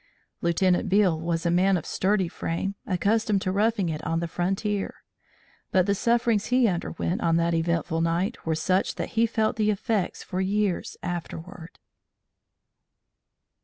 Lieutenant Beale was a man of sturdy frame, accustomed to roughing it on the frontier, but the sufferings he underwent on that eventful night were such that he felt the effects for years afterward.